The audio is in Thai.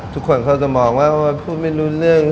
ทุกคนเขาจะมองว่าพูดไม่รู้เรื่อง